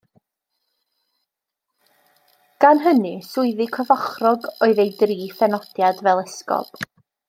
Gan hynny swyddi cyfochrog oedd ei dri phenodiad fel esgob.